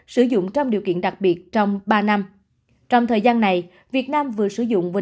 sử dụng trong điều kiện đặc biệt trong ba năm trong thời gian này việt nam vừa sử dụng với